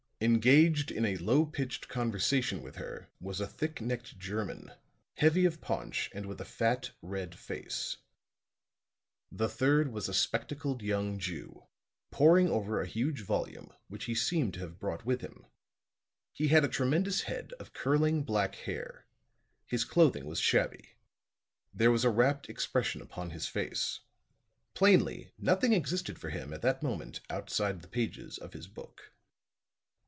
Engaged in a low pitched conversation with her was a thick necked German, heavy of paunch and with a fat, red face. The third was a spectacled young Jew, poring over a huge volume which he seemed to have brought with him. He had a tremendous head of curling black hair; his clothing was shabby. There was a rapt expression upon his face; plainly nothing existed for him at that moment outside the pages of his book.